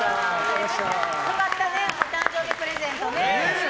よかったねお誕生日プレゼントね。